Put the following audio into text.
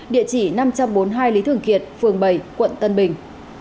địa chỉ năm trăm bốn mươi hai lý thường kiệt phường bảy quận tân bình